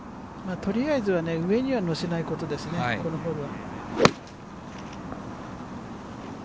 とりあえずは上には乗せないことですね、このホールは。